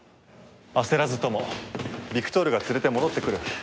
焦らずともビクトールが連れて戻ってくる。